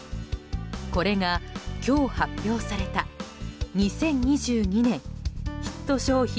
これが今日発表された２０２２年ヒット商品